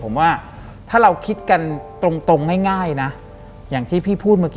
หลังจากนั้นเราไม่ได้คุยกันนะคะเดินเข้าบ้านอืม